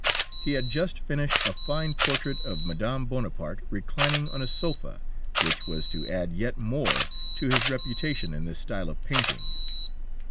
He had just finished a fine portrait of Mme. Bonaparte reclining on a sofa, which was to add yet more to his reputation in this style of painting.